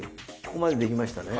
ここまでできましたね？